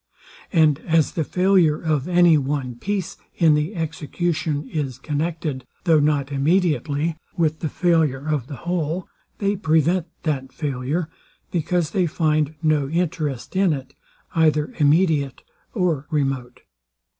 And as the failure of any one piece in the execution is connected, though not immediately, with the failure of the whole, they prevent that failure, because they find no interest in it, either immediate or remote.